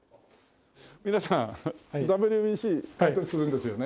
皆さんＷＢＣ解説するんですよね。